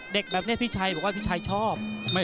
เด็กแบบนี้พี่ชัยบอกว่าพี่ชัยชอบ